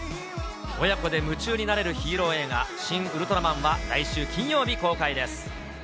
親子で夢中になれるヒーロー映画、シン・ウルトラマンは、来週金曜日公開です。